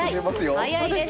早いです。